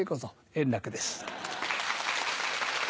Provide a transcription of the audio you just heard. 円楽です。